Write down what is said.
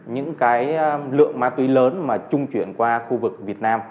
những cái lượng ma túy lớn mà trung chuyển qua khu vực việt nam